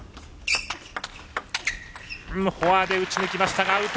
フォアで打ち抜きましたがアウト。